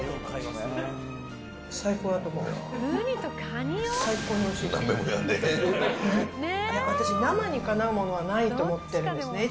これ私、生にかなうものはないと思ってるんですよ。